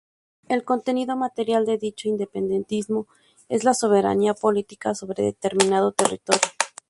El contenido material de dicho independentismo es la soberanía política sobre determinado territorio.